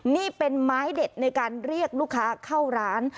นี่เป็นไม้เด็ดในการเรียกลูกค้าเข้าร้าน